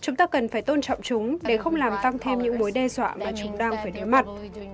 chúng ta cần phải tôn trọng chúng để không làm tăng thêm những mối đe dọa mà chúng đang phải đối mặt